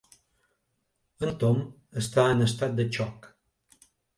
El Tom està en estat de xoc.